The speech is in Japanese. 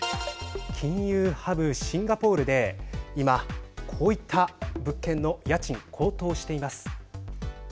金融ハブ、シンガポールで今、こういった物件の家賃高騰しています。